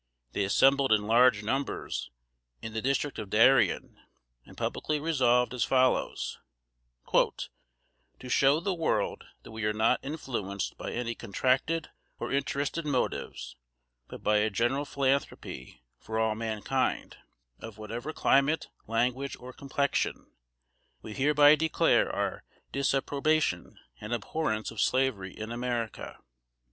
They assembled in large numbers, in the district of Darien, and publicly resolved as follows: "To show the world that we are not influenced by any contracted or interested motives, but by a general philanthropy for all mankind, of whatever climate, language or complexion, we hereby declare our disapprobation and abhorrence of slavery in America."